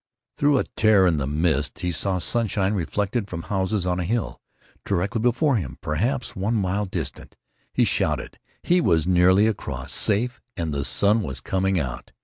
Through a tear in the mist he saw sunshine reflected from houses on a hill, directly before him, perhaps one mile distant. He shouted. He was nearly across. Safe. And the sun was coming out.